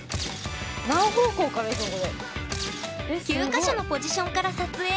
９か所のポジションから撮影。